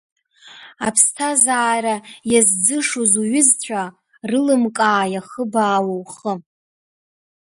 Аԥсҭазаара иазӡышоз уҩызцәа, рылымкаа иахыбаауа ухы.